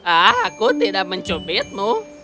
aku tidak mencubitmu